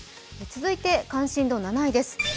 続いて関心度７位です。